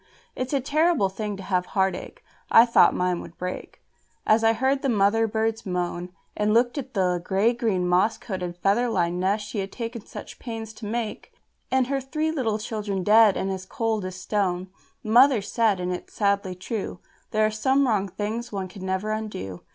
It's a terrible thing to have heart ache, I thought mine would break As I heard the mother bird's moan, And looked at the grey green, moss coated, feather lined nest she had taken such pains to make, And her three little children dead, and as cold as stone. Mother said, and it's sadly true, "There are some wrong things one can never undo."